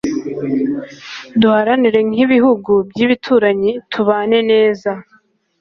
duhahirane nk'ibihugu by'ibituranyi tubane neza